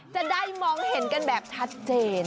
จะได้มองเห็นกันแบบชัดเจน